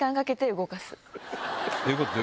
どういうこと？